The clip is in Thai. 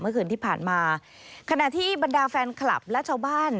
เมื่อคืนที่ผ่านมาขณะที่บรรดาแฟนคลับและชาวบ้าน